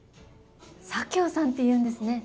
左京さんっていうんですね。